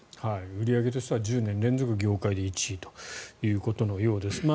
売り上げとしては１０年連続業界１位ということです。